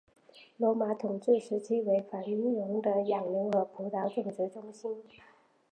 罗马统治时期为繁荣的养牛和葡萄种植中心。